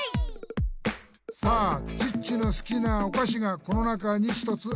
「さあチッチの好きなお菓子がこの中に一つありますよ。」